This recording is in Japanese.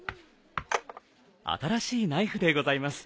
新しいナイフでございます。